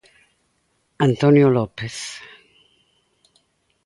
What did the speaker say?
Antonio López.